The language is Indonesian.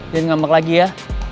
dan ngambek lagi ya